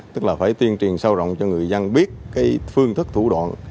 tức là phải tuyên truyền sâu rộng cho người dân biết phương thức thủ đoạn